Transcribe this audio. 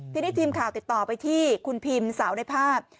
ทีนี้ทีมข่าวติดต่อไปที่คุณพิมสาวในภาพ